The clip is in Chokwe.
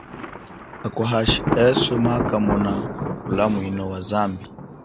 Akwa hashi eswe maakamona ulamwino wa zambi.